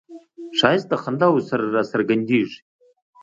ښایست د خنداوو سره راڅرګندیږي